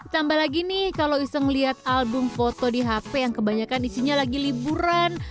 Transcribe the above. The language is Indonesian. tambah lagi nih kalau iseng lihat album foto di hp yang kebanyakan isinya lagi liburan